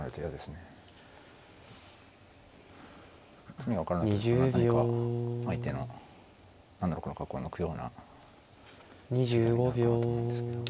詰みが分からないと何か相手の７六の角を抜くような手みたいになるかなと思うんですけども。